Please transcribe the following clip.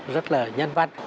rất là nhân văn